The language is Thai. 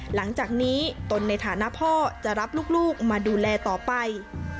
หลังจากนี้ตนในฐานะพ่อจะรับลูกมาดูแลต่อไป